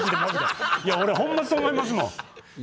俺ホンマそう思いますもん。